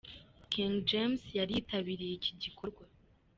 King James yari yitabiriye iki gikorwa.